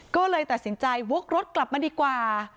ก็เลยตัดสินใจวกรถกลับมาดีกว่า